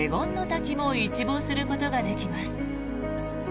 滝も一望することができます。